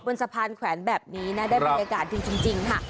บนสะพานแขวนแบบนี้นะได้บรรยากาศดีจริงค่ะ